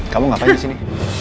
kamu ngapain di sini